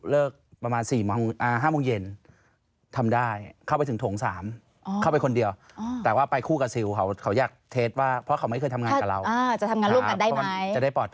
เอลที่เกินสักสิบ